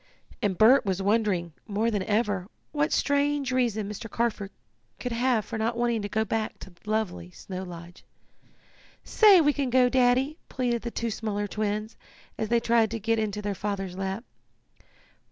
And Bert was wondering, more than ever, what strange reason Mr. Carford could have for not wanting to go back to lovely Snow Lodge. "Say we can go, Daddy!" pleaded the two smaller twins, as they tried to get into their father's lap.